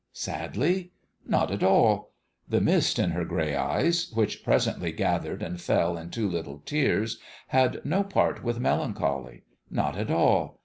Sadly? Not at all! The mist in her gray eyes which presently gathered and fell in two little tears had no part with melancholy. Not at all